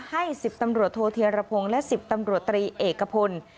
๑๐ตำรวจโทเทียรพงศ์และ๑๐ตำรวจตรีเอกพล